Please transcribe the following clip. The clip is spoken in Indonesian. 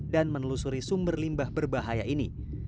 dan menelusuri sumber limbah berbahaya ini